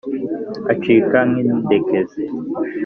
Acika nk'indekezi